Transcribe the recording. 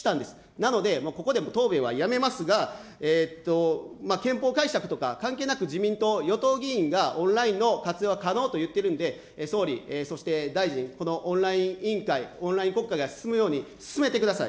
なので、ここでも答弁はやめますが、憲法解釈とか関係なく、自民党、与党議員が、オンラインの活用は可能と言ってるんで、総理、そして、大臣、このオンライン委員会、オンライン国会が進むように、進めてください。